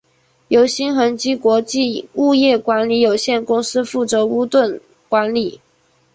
由新恒基国际物业管理有限公司负责屋邨管理。